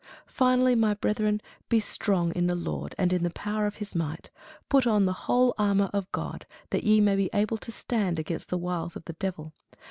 Finally, my brethren, be strong in the Lord, and in the power of his might. Put on the whole armour of God, that ye may be able to stand against the wiles of the devil.